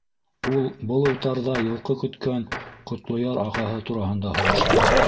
Ул был утарҙа йылҡы көткән Ҡотлояр ағаһы тураһында һорашты: